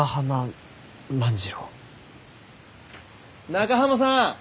中濱さん！